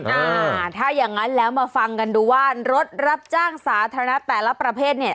อ่าถ้าอย่างงั้นแล้วมาฟังกันดูว่ารถรับจ้างสาธารณะแต่ละประเภทเนี่ย